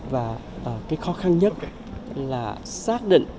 và cái khó khăn nhất là việc phê duyệt các dự án nhà ở xã hội